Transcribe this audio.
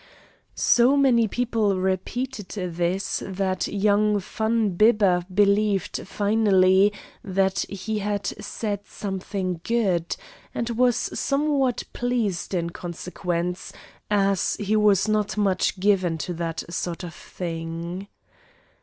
So many people repeated this that young Van Bibber believed finally that he had said something good, and was somewhat pleased in consequence, as he was not much given to that sort of thing.